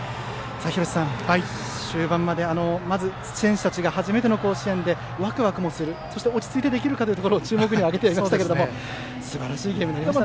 廣瀬さん、終盤までまず選手たちが初めての甲子園でワクワクもする、そして落ち着いてできるかも注目には挙げていましたがすばらしいゲームになりました。